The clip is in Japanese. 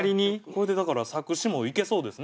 これでだから作詞もいけそうですね。